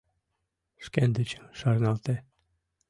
Шкендычым шарналте.